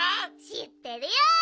しってるよ。